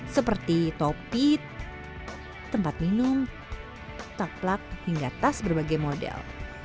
seperti topi tempat minum taklak hingga tas berbagai model